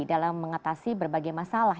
dalam mengatasi berbagai masalah